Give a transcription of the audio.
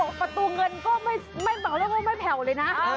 โอ้โฮประตูเงินก็ไม่เผาเลยนะ